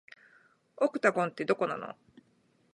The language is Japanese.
オクタゴンって、どこなの